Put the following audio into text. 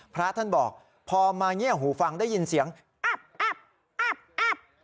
พระท่านบอกพอมาเงียบหูฟังได้ยินเสียงอับอับ